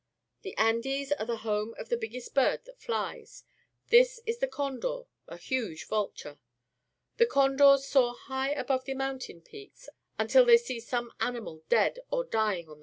The Andes are the home of the biggest bird that flies. This is the GQndoi:,ahuge \'ulture. The condors soar high over the mountain peaks imtU they see some animal dead or dying on A Condor, South.